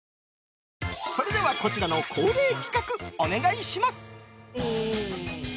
それでは、こちらの恒例企画お願いします！